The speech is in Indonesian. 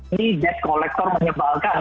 ini debt collector menyebalkan